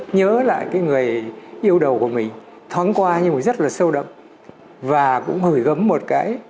nhớ lại cái người yêu đầu của mình thoáng qua nhưng mà rất là sâu đậm và cũng hởi gấm một cái